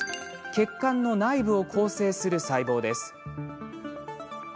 血管の内部を構成する細胞です。